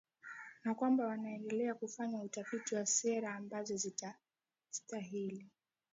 na kwamba wanaendelea kufanya utafiti wa sera ambazo zitastahili